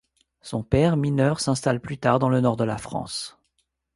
Son père, mineur, s'installe plus tard dans le nord de la France.